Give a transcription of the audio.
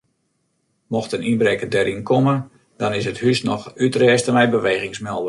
Mocht in ynbrekker deryn komme dan is it hús noch útrêste mei bewegingsmelders.